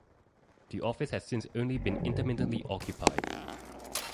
The office has since been only intermittently occupied.